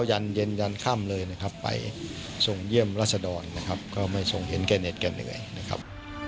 ยันเย็นยันค่ำเลยนะครับไปส่งเยี่ยมราชดรนะครับก็ไม่ทรงเห็นแก่เน็ตแก่เหนื่อยนะครับ